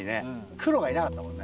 黒がいなかったもんね。